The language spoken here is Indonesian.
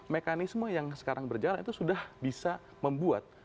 mekanisme yang sekarang berjalan itu sudah bisa membuat